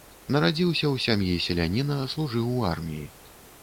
Нарадзіўся ў сям'і селяніна, служыў у арміі.